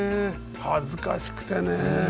恥ずかしくてね。